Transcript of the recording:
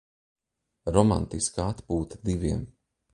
Romantiska atp?ta diviem